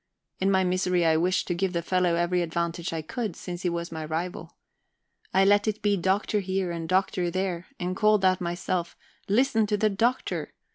In my misery I wished to give the fellow every advantage I could, since he was my rival. I let it be "Doctor" here and "Doctor" there, and called out myself: "Listen to the Doctor!"